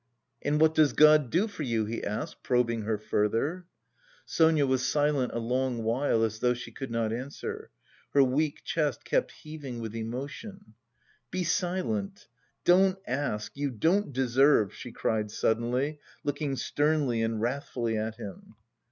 "And what does God do for you?" he asked, probing her further. Sonia was silent a long while, as though she could not answer. Her weak chest kept heaving with emotion. "Be silent! Don't ask! You don't deserve!" she cried suddenly, looking sternly and wrathfully at him.